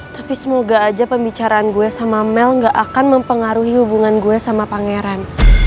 tapi semoga aja pembicaraan gue sama mel gak akan mempengaruhi hubungan gue sama pangeran